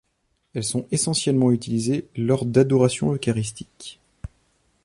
Elles sont essentiellement utilisées lors d'adoration eucharistique.